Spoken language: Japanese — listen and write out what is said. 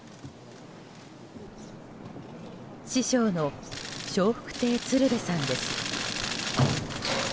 師匠の笑福亭鶴瓶さんです。